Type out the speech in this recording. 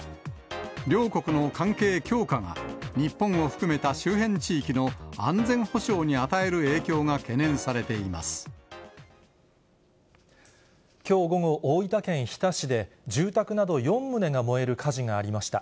両国の関係強化が、日本を含めた周辺地域の安全保障に与える影響きょう午後、大分県日田市で、住宅など４棟が燃える火事がありました。